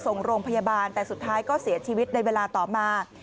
ส่งโรงพยาบาลแต่สุดท้ายก็เสียชีวิตในเวลาต่อมา